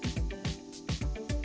menggunakan infrastruktur desa